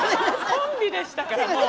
コンビでしたからもう。